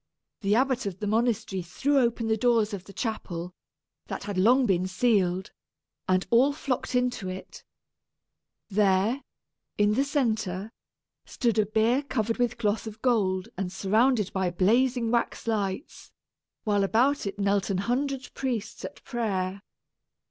The abbot of the monastery threw open the doors of the chapel, that had long been sealed, and all flocked into it. There, in the centre, stood a bier covered with cloth of gold and surrounded by blazing wax lights, while about it knelt an hundred priests, at prayer.